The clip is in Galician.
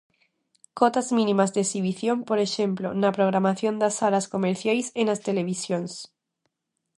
Cotas mínimas de exhibición, por exemplo: na programación das salas comerciais e nas televisións.